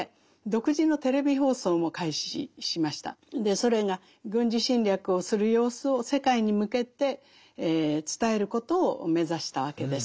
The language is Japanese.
ソ連が軍事侵略をする様子を世界に向けて伝えることを目指したわけです。